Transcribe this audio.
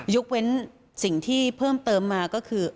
ยกเว้นสิ่งที่เพิ่มเติมมาก็คือ